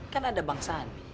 kan ada bangsaan